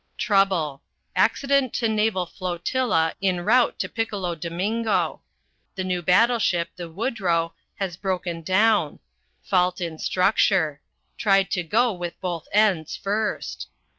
Trouble. Accident to naval flotilla en route to Piccolo Domingo. The new battleship the Woodrow has broken down. Fault in structure. Tried to go with both ends first.